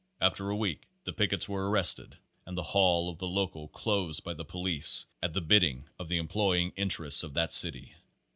After a week the pickets were arrested and the hall of the local closed by the police at the bidding of the employing interests of that city.